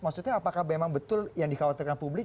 maksudnya apakah memang betul yang dikhawatirkan publik